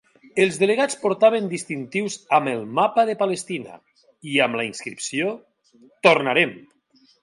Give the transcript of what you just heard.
Els delegats portaven distintius amb el mapa de Palestina i amb la inscripció "Tornarem".